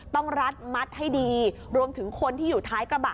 รัดมัดให้ดีรวมถึงคนที่อยู่ท้ายกระบะ